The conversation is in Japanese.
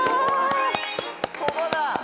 ここだ！